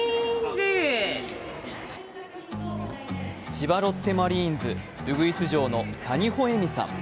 千葉ロッテマリーンズウグイス嬢の谷保恵美さん。